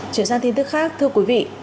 chuyển sang tin tức khác thưa quý vị